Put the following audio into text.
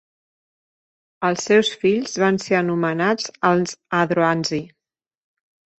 Els seus fills van ser anomenats els adroanzi.